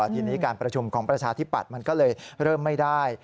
ทีนี้การประชุมของประชาธิปัตย์มันก็เลยเริ่มไม่ได้